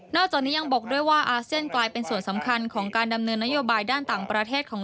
จากนี้ยังบอกด้วยว่าอาเซียนกลายเป็นส่วนสำคัญของการดำเนินนโยบายด้านต่างประเทศของ